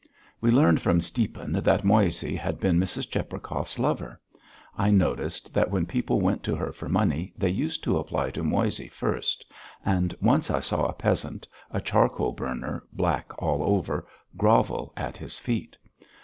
We learned from Stiepan that Moissey had been Mrs. Cheprakov's lover. I noticed that when people went to her for money they used to apply to Moissey first, and once I saw a peasant, a charcoal burner, black all over, grovel at his feet.